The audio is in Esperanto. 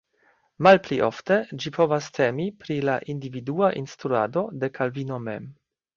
Malpli ofte, ĝi povas temi pri la individua instruado de Kalvino mem.